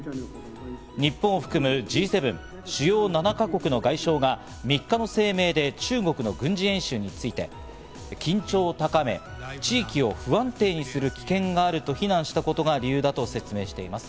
日本を含むＧ７＝主要７か国の外相が３日の声明で中国の軍事演習について緊張を高め、地域を不安定にする危険があると非難したことが理由だと説明しています。